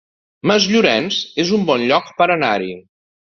Masllorenç es un bon lloc per anar-hi